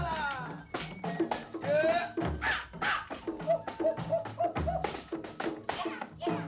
yang kecil hospital itu sudah kita tempatkan